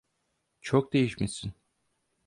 Çok değişmişsin…